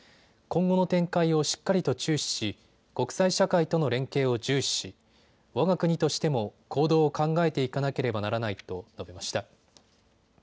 今後の展開をしっかりと注視し国際社会との連携を重視し、わが国としても行動を考えていかなければならないと述べました。